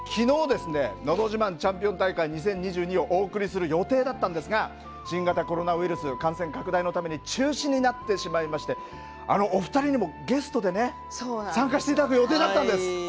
「のど自慢チャンピオン大会２０２２」をお送りする予定だったんですが新型コロナウイルス感染拡大のために中止になってしまいましてお二人にもゲストでね参加して頂く予定だったんです。